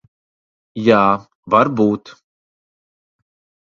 Jā, varbūt.